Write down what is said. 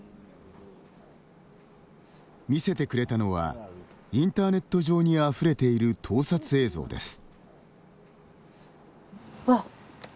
見せてくれたのはインターネット上にあふれている盗撮映像です。